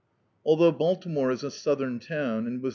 Althou^ Baltimore is a southern town, and was.